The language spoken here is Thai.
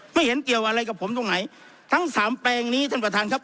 ไม่เห็นเกี่ยวอะไรกับผมตรงไหนทั้งสามแปลงนี้ท่านประธานครับ